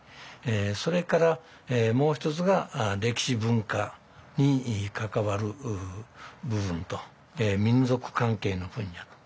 それからもう一つが歴史文化に関わる部分と民俗関係の分野と。